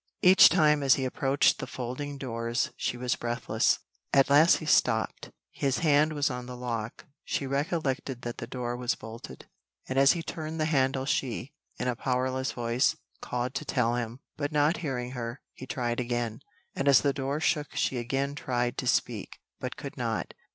Each time as he approached the folding doors she was breathless. At last he stopped, his hand was on the lock she recollected that the door was bolted, and as he turned the handle she, in a powerless voice, called to tell him, but not hearing her, he tried again, and as the door shook she again tried to speak, but could not.